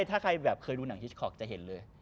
ถ้าใครแบบเคยดูหนังฮิชคอกจะเห็นเลย